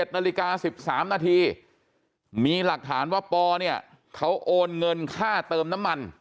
๑นาฬิกา๑๓นาทีมีหลักฐานว่าปอเนี่ยเขาโอนเงินค่าเติมน้ำมัน